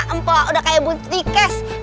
empok udah kayak beauty case